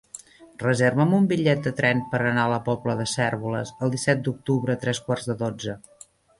Reserva'm un bitllet de tren per anar a la Pobla de Cérvoles el disset d'octubre a tres quarts de dotze.